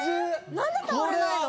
何で倒れないの？